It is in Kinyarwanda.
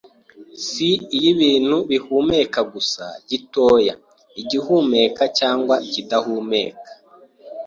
si ay’ibintu bihumeka gusa gitoya, igihumeka cyangwa ikidahumeka,